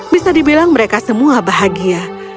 bisa dibilang mereka semua bahagia